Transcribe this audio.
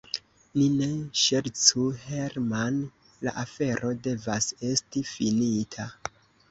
Ni ne ŝercu, Herman, la afero devas esti finita.